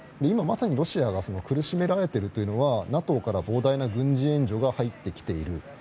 今まさにロシアが苦しめられているのはＮＡＴＯから膨大な軍事援助が入ってきている。